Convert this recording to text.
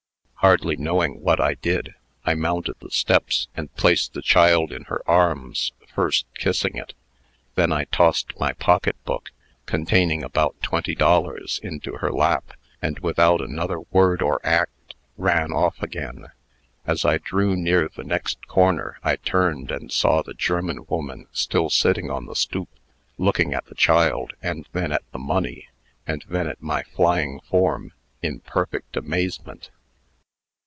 Hardly knowing what I did, I mounted the steps, and placed the child in her arms, first kissing it. Then I tossed my pocket book, containing about twenty dollars, into her lap, and, without another word or act, ran off again. As I drew near the next corner, I turned, and saw the German woman still sitting on the stoop, looking at the child, and then at the money, and then at my flying form, in perfect amazement.